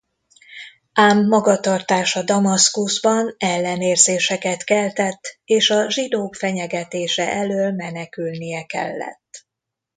Ám magatartása Damaszkuszban ellenérzéseket keltett és a zsidók fenyegetése elől menekülnie kellett.